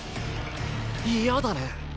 嫌だね。